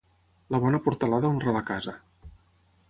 La bona portalada honra la casa.